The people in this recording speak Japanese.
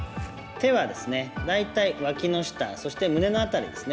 手はですね、大体わきの下そして胸の辺りですね。